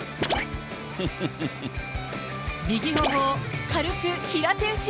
右ほほを軽く平手打ち。